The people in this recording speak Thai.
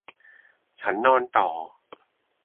ฉันนอนต่อ